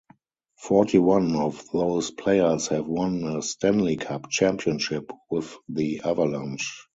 Forty-one of those players have won a Stanley Cup championship with the Avalanche.